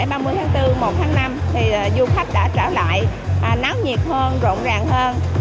sau kỳ nghỉ lễ ba mươi tháng bốn một tháng năm du khách đã trở lại nắng nhiệt hơn rộng ràng hơn